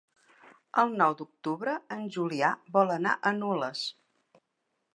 El nou d'octubre en Julià vol anar a Nules.